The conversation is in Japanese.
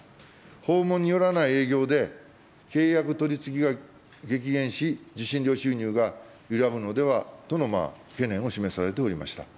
訪問によらない営業で、契約取り次ぎが激減し、受信料収入が揺らぐのではとの懸念を示されておられました。